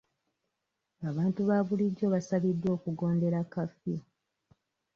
Abantu ba bulijo basabiddwa okugondera kafiyu.